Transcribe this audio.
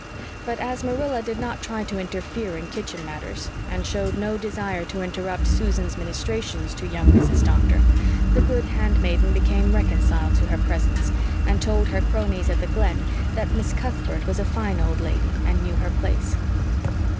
But as Marilla did not try to interfere in kitchen matters, and showed no desire to interrupt Susan's ministrations to young Mrs. Doctor, the good handmaiden became reconciled to her presence, and told her cronies at the Glen that Miss Cuthbert was a fine old lady and knew her place.